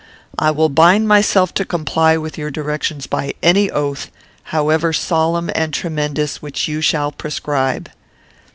I will bind myself to comply with your directions by any oath, however solemn and tremendous, which you shall prescribe."